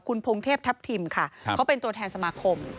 คุณพงเทพทัพทิมค่ะเขาเป็นตัวแทนสมาคม